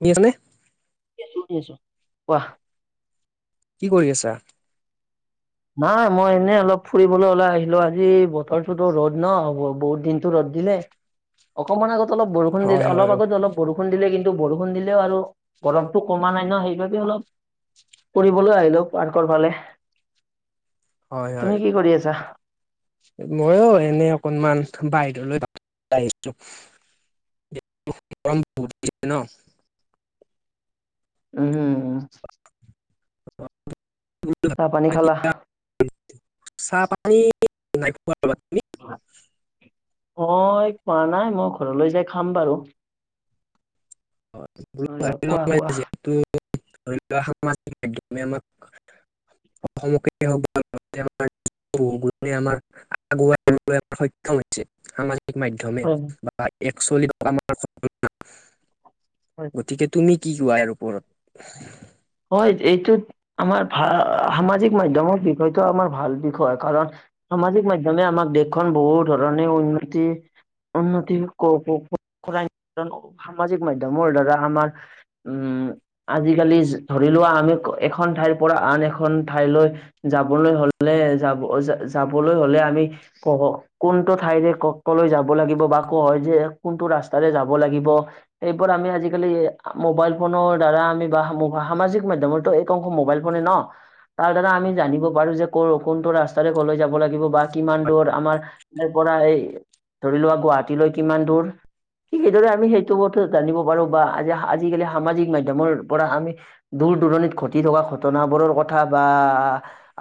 শুনি আছানে? আ শুনি আছো। কোৱা। কি কৰি আছা? নাই মই এনেই অলপ ফুৰিবলৈ ওলাই আহিলো আজি বতৰটোতো ৰ'দ নহ বহুত দিনতো ৰ'দ দিলে। অকণমান আগত অলপ বৰষুণ দিলে, হয় হয় অলপ আগত অলপ বৰষুণ দিলে। কিন্তু বৰষুণ দিলেও আৰু গৰমতটো কমা নাই ন সেইবাবে অলপ ফুৰিবলৈ আহিলো পাৰ্কৰ ফালে। তুমি কি কৰি আছা? মইও এনে অকনমান বাহিৰলৈ- আহিলো। [unintelligible] উম। [inaudible] [unintelligible] পানী খালা চাহ। [unintelligible] [unintelligible] হয়। মই খোৱা নাই মই ঘৰলৈ যাই খাম বাৰু। [unintelligible] ধৰি কোৱা কোৱা লোৱা সামাজিক মাধ্যমে আমাক। অসমকে হওঁক বা। [unintelligible] [unintelligible] সক্ষম হৈছে আমাৰ। মাধ্যমে হয় বা। [unintelligible] হয় গতিকে তুমি কি কোৱা ইয়াৰ ওপৰত। এইটো আমাৰ ভা সামাজিক মাধ্যমৰ বিষয়টো আমাৰ ভাল বিষয় কাৰণ সামা সামাজিক মাধ্যমে আমাক দেশখন বহু ধৰণে উন্নতি। উন্নতি [unintelligible] কৰাই সামাজিক মাধ্যমৰ দ্বাৰা আমাৰ উম। উম আজিকালি। ধৰি লোৱা আমি এখন ঠাইৰ পৰা আন এখন ঠাইলৈ যাবলৈ হ'লে যাব-যা। যাবলৈ হ'লে আমি ক-কোনটো ঠাইৰে ক-কলৈ যাব লাগিব বা কহেদি কোনটো। ৰাস্তাৰে যাব লাগিব এইবোৰ আমি আজিকালি মোবাইল ফোনৰ দ্বাৰা আমি বা সাম সামাজিক মাধ্যমৰটো এইটো অংশ মোবাইল ফোনে নহ। তাৰ দ্বাৰা আমি জানিব পাৰোঁ যে ক-কোনটো ৰাস্তাৰে ক'লৈ যাব লাগিব বা কিমান দূৰত আমাৰ। [unintelligible] পৰা এই ধৰি লোৱা গুৱাহাটীলৈ কিমান দূৰ। ঠিক সেইদৰে আমি সেইটো জানিব পাৰো বা আজি আজিকালি সামাজিক মাধ্যমৰ পৰা আমি। দূৰ দূৰণিত ঘটি থকা ঘটনাবোৰৰ কথা বা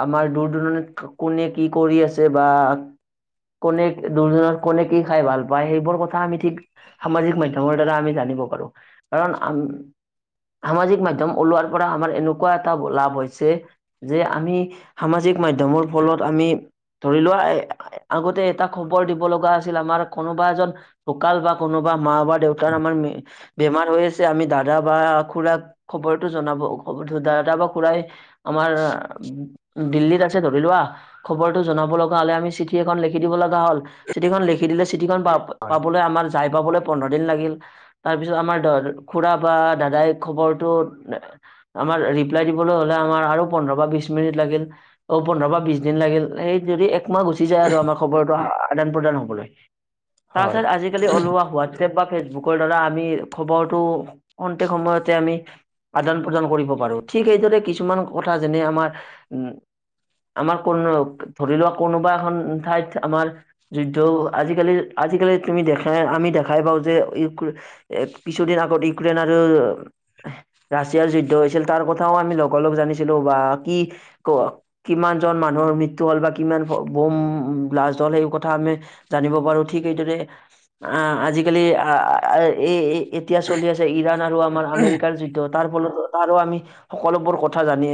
আমাৰ দূৰ দূৰণিত কোনে। কি কৰি আছে বা। কোনে দুৰ্জনৰ কোনে কি খাই ভাল পায় সেইবোৰ কথা আমি ঠিক সামাজিক মাধ্যমৰ দ্বাৰা আমি জানোঁ। জানিব পাৰোঁ কাৰণ আম সামাজিক মাধ্যম। ওলোৱাৰ পৰা আমাৰ এনেকুৱা এটা লাভ হৈছে যে আমি সামাজিক মাধমৰ ফলত আম মি ধৰি লোৱা আগতে এটা খবৰ দিব লগা আছিল আমাৰ কোনোবা এজন ঢুকাল। বা কোনোবা মা বা দেউতাৰ আমাৰ বেমাৰ হৈ আছে আমি দাদা বা খুৰাক। খবৰটো জনাব দাদা বা খুৰাই আমাৰ দিল্লীত আছে ধৰি লোৱা। খবৰটো জনাব লগা হ'লে আমি চিঠি এখন লিখি দিব লগা হল চিঠিখন লিখি দিলে চি চিটি হয় পাব-পাবলৈ আমাৰ যাই পাবলৈ। পোন্ধৰ দিন লাগিল তাৰপিছত আমাৰ ধৰ খুৰা বা দাদাই খবৰটো। আমাৰ ৰিপ্লাই দিবলৈ হ'লে আমাৰ আৰু পোন্ধৰ বা বিশ মিনিট লাগিল অহ পোন্ধৰ বা বিশ দিন। লাগিল সেই যদি একমাহ গুচি যায় আৰু আমাৰ খবৰটো আদান প্ৰদান হবলৈ। হয় তাৰপিছত আজিকালি ওলোৱা হোৱাটছএপ বা ফেচবুক। বুকৰ দ্বাৰা আমি খবৰটো খন্তেক সময়তে আমি। আদান প্ৰদান কৰিব পাৰোঁ ঠিক সেইদৰে কিছুমান কথা যেনে আমাৰ উম। আমাৰ কোনো ধৰি লোৱা কোনোবা এখন ঠাইত আমাৰ যুদ্ধ আজিকালি। আজিকালি তুমি দেখাই আমি দেখাই পাওঁ যে ইক্ৰ কিছুদিন আগত ইউক্ৰেইন আৰু। [unintelligible] ৰাছিয়াৰ যুদ্ধ হৈছিল তাৰ কথাও আমি লগা লগ জানিছিলো বা কি ক-কিমান জন মানুহ। মৃত্যু হ'ল বা কিমান বম ব্লাষ্ট হল সেই কথা আমি জানিব পাৰোঁ ঠিক এইদৰে। আহ-আজিকালি অহ এ-এতিয়া চলি আছে ইৰাণ আৰু আমাৰ আমেৰিকাৰ যু তাৰ ফলতো তাৰো আমি সকলোবোৰ কথা জানি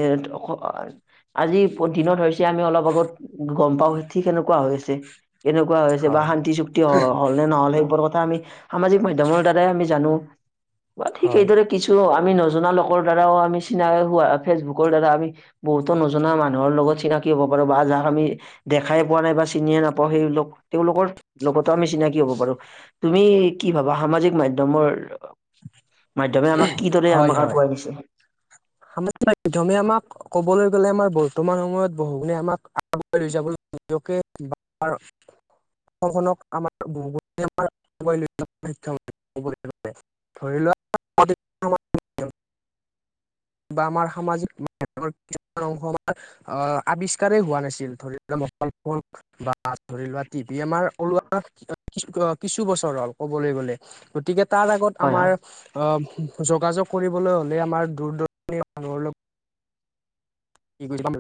আজি দিনত হৈছে। আমি অলপ আগত গম পাওঁ ঠিক সেনেকুৱা হৈ আছে। এনেকুৱা হয় হৈছে বা হয় শান্তি চুক্তি হ-হ'ল নে নহ'ল সেইবোৰ ক আমি সামাজিক মাধ্যমৰ দ্বাৰাই আমি জানোঁ ঠিক হয় এইদৰে কিছু আম আমি নজনা লোকৰ দ্বাৰাও আমি চিনাই হোৱা ফেচবুকৰ দ্বাৰা আমি বহুতো নজনা মানুহৰ লগত চিনাক কি হ'ব পাৰো বা যাক আমি দেখাই পোৱা নাই বা চিনিয়ে নাপাওঁ সেইবলোক তেওঁলোকৰ লগতো আমি চিনাকি হব পাৰোঁ, তুমি কি ভাবা সামাজিক মাধ্যমৰ [unintelligible] তো আমাক আগুৱাই দিছে। সামাজিক মাধ্যমে আমাক, ক'বলৈ গ'লে আমাৰ ব বৰ্তমান সময়ত বহুগুণে আমাক আগ লৈ যাবকে [unintelligible] অসমখনক আমাৰ [unintelligible] ধৰি লোৱা [unintelligible] বা আমাৰ সামাজিক ম কিছুমান অংশ আমাৰ আহ আৱিষ্কাৰেই হোৱা নাছিল ধৰি [unintelligible] হা ধৰি লোৱা টিভি আমাৰ ওলোৱা কি কিছু বছৰ হ'ল ক'বলৈ গ'লে গতিকে তাৰ আগত হয় আমাৰ, হয় অ', যোগাযোগ কৰিবলৈ হ'লে আমাৰ দূৰ দৰ [unintelligible]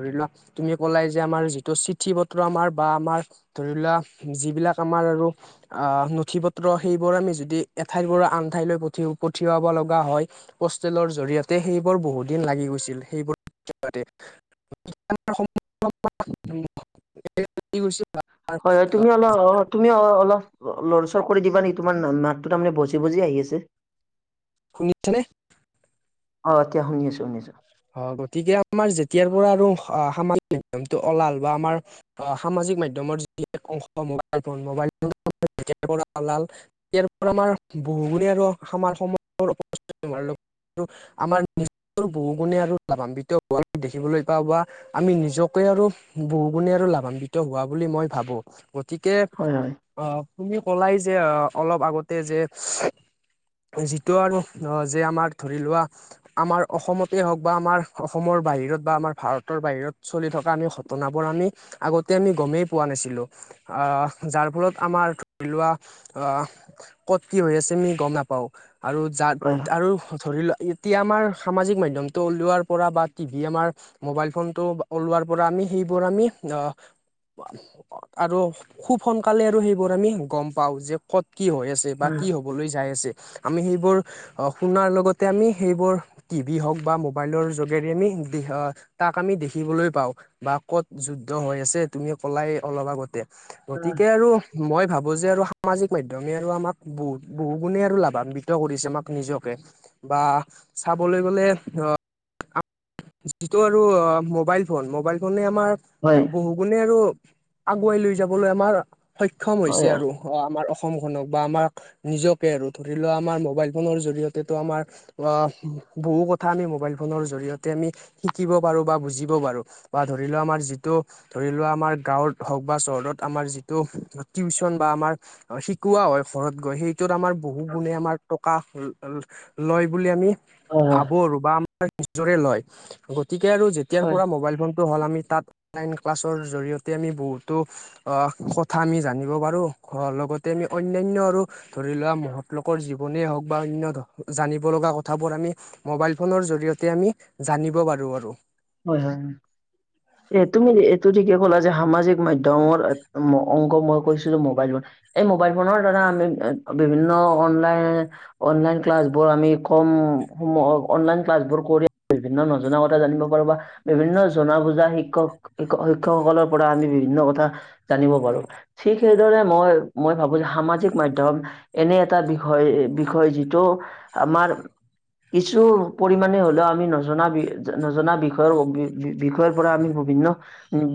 ধৰি লোৱা তুমি ক'লাই যে আমাৰ যিটো চিঠি পত্ৰ আমাৰ বা আমাৰ ধৰি লোৱা যিবিলাক আমাৰ আৰু অ', নথি পত্ৰ সেইবোৰ আমি যদি এঠাইৰ পৰা আনঠাইলৈ পঠিও পঠিয়াব লগা হয়, পষ্টেলৰ জৰিয়তে, সেইবোৰ বহুত দিন লাগি গৈছিল সেইবোৰ জ [unintelligible] হয় হয় তুমি অলপ, অ', তুমি অ অলপ লৰচৰ কৰি দিবা নেকি, তোমাৰ মাতটো তাৰমানে ভজি বজি আহি আছে শুনিছেনে? অ', এতিয়া শুনি আছোঁ, শুনিছোঁ। হয়, গতিকে আমাৰ যেতিয়াৰ পৰা আৰু সামাজিক নমটো ওলাল বা আমাৰ অ সাজ সাজ মাধ্যমৰ যি অংশ মবাইল ফ মাইল ফল ইয়াৰ পৰা আমাৰ বহুু আৰু আমাৰ সময় আমাৰ নিজৰ বহু [unintelligible] গুণে আৰু লাভান্বিত হোৱা আমি দেখিবলৈ পাওঁ বা আমি নিজকে আৰু বহু গুণে আৰু লাভান্বিত হোৱা বুলি মই ভাবোঁ, গতিকে হয় হয় আ তুমি কলাই যে অলপ আগতে যে যিটো আৰু যে আমাৰ ধৰি লোৱা আমাৰ অসমত ই হওঁক বা আমাৰ অসমৰ বাহিৰত বা আমাৰ ভাৰতৰ বাহিৰত চলি থকা আমি ঘটনাবোৰ আমি আগত তে আমি গমেই পোৱা নাছিলোঁ, যাৰ ফলত আমাৰ ধৰি লোৱা ক'ত কি হৈ আছে আমি গম নাপাওঁ আৰু য হয় আৰু ধৰি লোৱা এতিয়া আমাৰ সামাজিক মাধ্যম মাধ্যমটো ওলোৱাৰ পৰা বা টিভি আমাৰ মবাইল ফোনটো ওলোৱাৰ পৰা আমি সেইবোৰ আমি আৰু খুব সোনকালে আৰু সেইবোৰ আমি গম পাও যে ক'ত কি হৈ আছে বা হয় কি হ'বলৈ যাই আছে। আমি সেইবোৰ, শুনাৰ লগতে আমি সেইবোৰ টিভি হওক বা মোবাইলৰ যোগেৰে আমি তাক আমি দেখিবলৈ পাওঁ, বা ক'ত যুদ্ধ হৈ আছে তুমি কলাই অলপ আগতে, হয় গতিকে আৰু মই ভাবো যে আৰু সামাজিক মাধ্যমে আৰু আমাক বহুত বহু গুণে আৰু লাভান্বিত কৰিছে আমাক নিজকে। বা চাবলৈ গ'লে অ', যিটো আৰু মোবাইল ফোন, মোবাইল ফনে আমাৰ হয় বহু গুণে আৰু আগুৱাই লৈ যাবলৈ আমাৰ সক্ষম হয় হৈছে হয় আৰু অ', আমাৰ অসম অসমখনক বা আমাক নিজকে আৰু ধৰি লোৱা আমাৰ মবাইল ফোনৰ জৰিয়তেো আমাৰ অ' বহু কথা কথা আমি ম'বাইল ফোনৰ জৰিয়তে আমি শিকিব পাৰোঁ বা বুজিব পাৰোঁ বা ধৰিলো আমাৰ যিটো ধৰি লোৱা আমাৰ গাঁৱত হওক বা চহৰত আমাৰ যিটো টিউশচন বা আমাৰ শিকোৱা হয় ঘৰত গৈ, সেইটোত আমাৰ বহু গুণে আমাৰ টকা লয় বুলি আমি অ'। ভাবো আৰু বা আমাৰ নিজৰে লয়, গতিকে আৰু যেতিয়াৰ হয় পৰা মোবাইল ফোনটো হ'ল আমি তাত অনলাইন ক্লাছৰ জৰিয়তে আমি বহুতো কথা আমি জানিব পাৰোঁ লগতে আমি অন্যান্য আৰু ধৰি লোৱা মহত লোকৰ জীৱনে হওক বা অন্য জানিব লগা কথাবোৰ আমি মবাইল ফোনৰ জৰিয়তে আমি জানিব পাৰো আৰু। হয় হয়। এ তুমি এইটো ঠিকে কলা যে সামাজিক মধ্যমৰ অংগ মই কৈছিলো মোবাইল ফ এই মোবাইল ফোনৰ দ্বাৰা আমি বিভিন্ন অনলাইন অনলাইন ক্লাছ বোৰ আমি কম উ অনলাইন ক্লাছ বোৰ কৰি বিভিন্ন নজনা কথা জানিব বা বিভিন্ন জনা বুজা শিক্ষক শিক্ষকসকলৰ পৰা আমি বিভিন্ন কথা জানিব পাৰো। ঠিক সেইদৰে মই-মই ভাবো যে সামাজিক মাধ্যম এনে এটা বিষয়-বিষয় যিটো আমাৰ কিছু পৰিমাণে হ'লেও আমি নজনা -ন বিষয়ৰ -বি -বিষয়ৰ পৰা আমি বিভিন্ন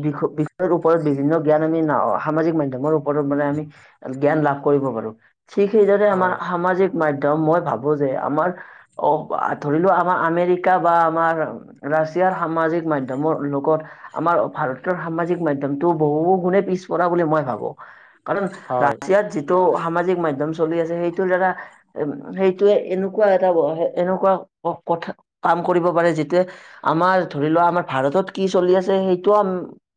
বি-বিষয়ৰ ওপৰত বিভিন্ন জ্ঞান আমি ন সামাজিক মাধ্যমৰ ওপৰত মানে আমি জ্ঞান লাভ কৰিব পাৰো, ঠিক সেইদৰে আমাৰ হয় সমা মাধ্যম মই ভাবো যে, আমাৰ অ ধৰিলোৱা আমাৰ আমেৰিকা বা আমাৰ ৰাছিয়াৰ সামাজিক মাধ্যমৰ লগত আমাৰ ভাৰতৰ সামাজিক মাধ্যমতটো বহু গুণে পিছ পৰা বুলি মই ভাবো, কাৰণ হয় ৰাছিয়াত যিটো সাজিক মাধম চলি আছে সেইটোৰ দ্বাৰা, উ সেইটোৱে এনেকুৱা এটা এনেকুৱা কথা কাম কৰিব পাৰে যিত আমাৰ ধৰি লোৱা আমাৰ ভাৰতত কি চলি আছে, সেইটোও আম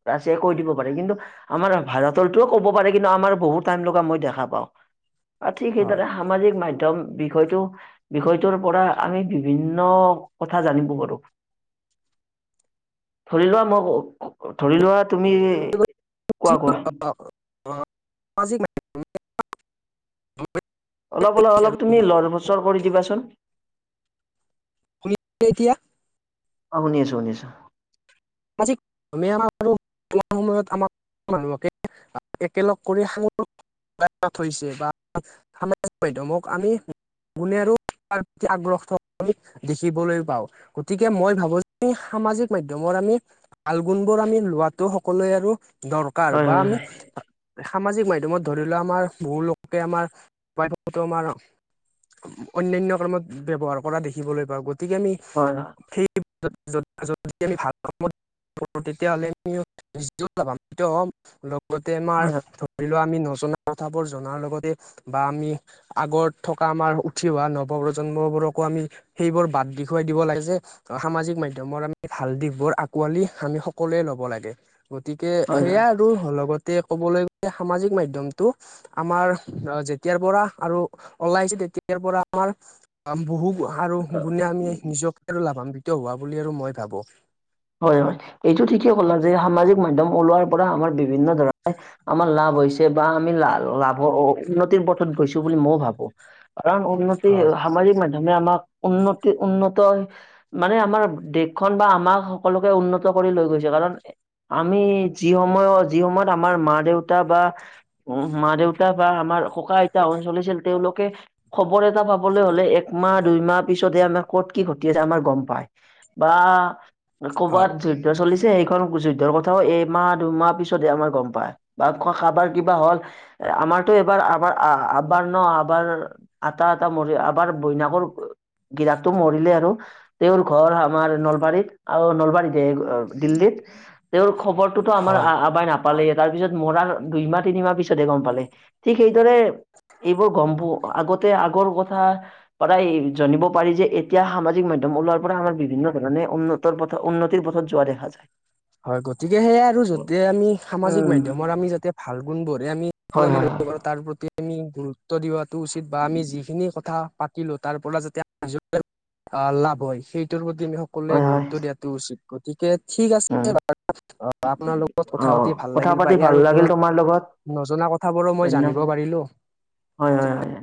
ৰাছিয়াই কৈ দিব পাৰে কিন্তু আমাৰ ভাৰতৰটোও ক'ব পাৰে কিন্তু আমাৰ বহুত টাইম লগা মই দেখা পাওঁ। আৰু ঠিক হয় সেইদৰে সামাজিক মাধ্যয়ম বিষয়টো- বিষয়টোৰ পৰা আমি বিভিন্ন কথা জানিব পাৰো। ধৰি লোৱা মই, ধৰি লোৱা তুমি কোৱা কোৱা [unintelligible] অলপ অলপ অলপ তুমি লৰ-চৰ কৰি দিবাচোন। [unintelligible] এতিয়া অ শুনি আছো, শুনি আছো। [unintelligible] [unintelligible] একেলগ কৰি সাঙুৰ থৈছে বা- মাধ্যয়মক আমি গুণ আৰু ত প্ৰতি আগ্ৰস- আমি দেখিবলৈ পাওঁ, গতিকে মই ভাবো যে সামাজিক মাধ্যয়মৰ আমি ভালগুণবোৰ আমি লোৱাতো সকলোৱে আৰু দৰকাৰ হয় বা হয় আমি হয় সামাজিক মাধ্যমত ধৰি লোৱা আমাৰ বহু লোকে আমাৰো আমাৰ অন্নান্য কামত ব ব্যৱহাৰ কৰা দেখিবলৈ পাওঁ গ গতিকে আমি হয় হয় সেই যদি- আমি ভাল [unintelligible] গোটেই আমাৰ [unintelligible] আমি নজনা কথাবোৰ জনাৰ লগতে বা আমি আগত থকা আমাৰ উঠি অহা নৱ প্ৰজন্মবোৰকো আমি সেইবোৰ বাদ দেখুৱাই দিব লাগে যে, সামাজিক মাধ্যমৰ আমি ভাল দিশ বোৰ আকোৱালি আমি সকলোৱে ল'ব লাগে, গতিকে হয় হয় সেয়া আৰু লগত তে ক'বলৈ গ'লে সামাজিক মাধ্যমটো আমাৰ যেতিয়াৰ পৰা আৰু ওলাইছে তেতিয়াৰ পৰা আমাৰ বহু আৰু গুণে আমি নিজকে আৰু লাভান্বিত হোৱা বুলি আৰু মই ভাবো। হয় হয় এইটো ঠিকেই কলা যে সামাজিক মাধ্যম ওলোৱাৰ পৰা আমাৰ বিভিন্ন ধৰণে আমাৰ লাভ হৈছে বা আমি লা-লাভৰ উন্নতিৰ পথত গৈছো বুলি ম ভাবো, কাৰণ হয় সামাজিক মাধমে আমাক উন্নতি-উন্নত মানে আমাৰ দেশখন বা আমাৰ সকলোকে উন্নত কৰি লৈ গৈছে, কাৰণ আমি যি সময়ত, যি সময়ত আমাৰ মা দেউতা বা মা দেউতা বা আমাৰ ককা-আইতাহন চলিছিল তেওঁলোকে খবৰ এটা পাবলৈ হ'লে একমাহ দুইমাহ পিছতে আমাক ক'ত কি ঘটি আছে আমাৰ গম পায়, বা কবাত হয় যদ্ধ চলি সেইখন যুদ্ধৰ কথাও এইমাহ দুমাহ পিছতে আমাৰ গম পায়, বা কবৰ কিবা হ'ল আমাৰটো এবাৰ আমাৰ আবাৰ ন' আবাৰ আটা আটা মৰি আবাৰ বৈনাকৰ গিৰাকটো মৰিলে আৰু। তেওঁৰ ঘৰ আমাৰ নলবাৰীত। আৰু নলবাৰীতে দিল্লীত, তেওঁৰ খবৰটোতো আমাৰ হয় আবাই নাপ গম পালে, তাৰ পিছত মৰাৰ দুইমাহ তিনিমাহ পিছতেহ গম পালে। ঠিক সেইদৰে এইবোৰ গম পু আগতে আগৰ কথা পাৰায় জানিব পাৰি যে এতিয়া সামাজিক মাধ্যম ওলোৱাৰ পৰা আমাৰ বিভিন্ন ধৰণে উন্নতৰ পথ উন্নতিৰ পথত যোৱা দেখা যায়। হয়। গতিকে সেয়াই আৰু য'তে আমি সামাজিক উম মাধ্যমৰ আমি যাতে ভাল গুণবোৰে আমি হয় কোৱালি হয় তাৰ প্ৰতি আমি গুৰুত্ব দিয়টো উচিত বা আমি যিখিনি কথা পাতিলোঁ তাৰ পৰা যাতে লাভ হয়, সেইটোৰ প্ৰতি দিন সকলোৱলে হয় হয় গুৰুত্ব দিয়াটো উচিত গতিকে ঠিক আছে হয় অ' আপোনাৰ লগত উম অ কথা পাতি ভাল কথা লাগিল বা পাতি ভাল ইয়াৰ লাগিল তোমাৰ লগত ওপৰত নজনা কথাবোৰো মই ধন্য জানিব পাৰিলোঁ। হয় হয় হয়।